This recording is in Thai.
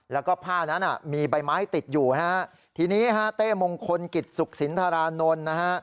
แล้วก็ผ้านั้นมีใบไม้ติดอยู่นะฮะทีนี้ฮะเต้มงคลกิจสุขสินทรานนท์นะฮะ